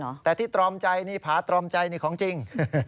พอเจมส์แต่ที่ตรอมใจด้วยนี่ภาตรอมใจด้วยนี่ของจริง